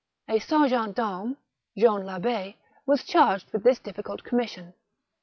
A serjent d^armes, Jean Labb6, was charged with this difficult commission.